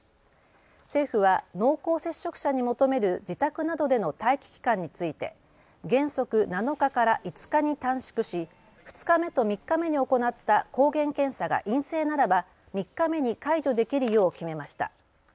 政府は濃厚接触者に求める自宅などでの待機期間について原則７日から５日に短縮し２日目と３日目に行った抗原検査が陰性ならば３日目に解除できるよう決めました。